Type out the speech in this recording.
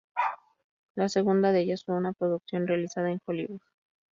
La segunda de ellas fue una producción realizada en Hollywood.